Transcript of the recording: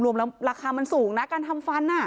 รวมแล้วราคามันสูงนะการทำฟัน